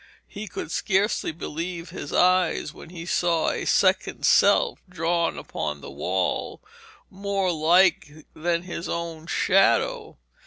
He could scarcely believe his eyes when he saw a second self drawn upon the wall, more like than his own shadow.